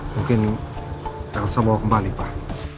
mungkin elsa mau kembali pak